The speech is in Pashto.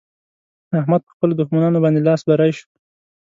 احمد په خپلو دښمانانو باندې لاس بری شو.